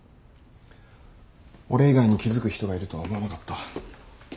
俺以外に気付く人がいるとは思わなかった。